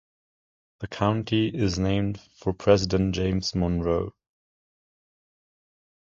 The county is named for President James Monroe.